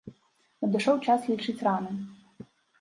Надышоў час лічыць раны.